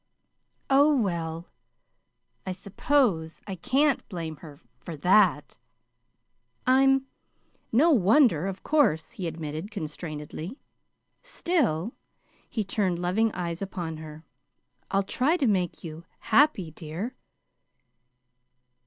"Oh, well, I suppose I can't blame her for that. I'm no wonder, of course," he admitted constrainedly. "Still," he turned loving eyes upon her "I'd try to make you happy, dear."